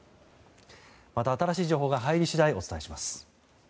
また、新しい情報が入り次第お伝えします。